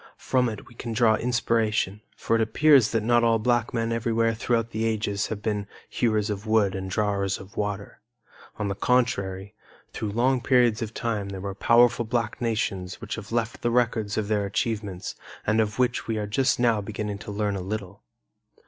From it we can draw inspiration; for it appears that not all black men everywhere throughout the ages have been "hewers of wood and drawers of water." On the contrary, through long periods of time there were powerful black nations which have left the records of their achievements and of which we are just now beginning to learn a little.